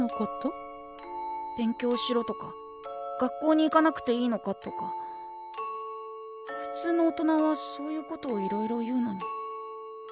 勉強しろとか学校に行かなくていいのかとかふつうの大人はそういうことをいろいろ言うのに。